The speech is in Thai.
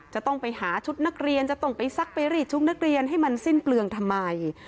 จะต้องไปหาชุดนักเรียนจะต้องไปซักไปรีดชุดนักเรียนให้มันสิ้นเปลืองทำไม